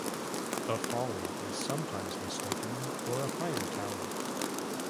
The folly is sometimes mistaken for a fire-tower.